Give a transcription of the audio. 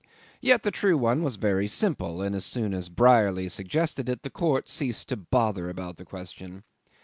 Yet the true one was very simple, and as soon as Brierly suggested it the court ceased to bother about the question.